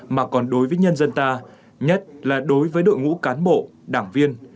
mà còn đối với nhân dân ta nhất là đối với đội ngũ cán bộ đảng viên